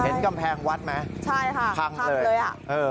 เห็นกำแพงวัดไหมพังเลยใช่ค่ะพังเลย